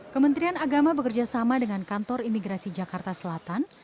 kementerian agama bekerjasama dengan kantor imigrasi jakarta selatan